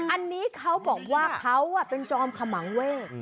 อันนี้เขาบอกว่าเขาเป็นจอมขมังเวท